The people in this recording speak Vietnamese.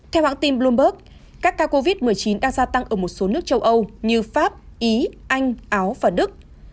theo hãng tin bloomberg các ca covid một mươi chín đang gia tăng ở một số nước châu âu như pháp ý anh áo và đức